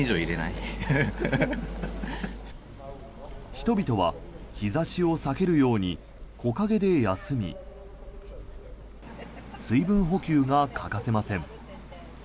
人々は日差しを避けるように木陰で休み水分補給が欠かせません。